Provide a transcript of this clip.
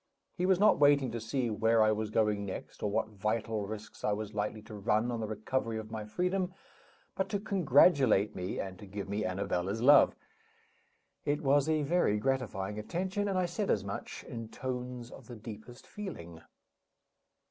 He was not waiting to see where I was going next, or what vital risks I was likely to run on the recovery of my freedom, but to congratulate me, and to give me Annabella's love. It was a very gratifying attention, and I said as much, in tones of the deepest feeling.